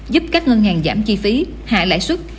giúp các ngân hàng giảm chi phí hạ lãi suất